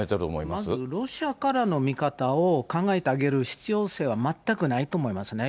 まずロシアからの見方を考えてあげる必要性は、全くないと思いますね。